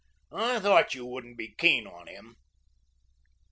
I thought you wouldn't be keen on him."